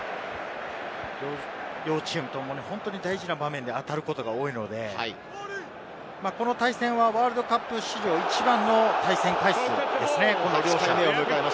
両チームともに本当に大事な場面で当たることが多いので、この対戦はワールドカップ史上一番の対戦回数ですね。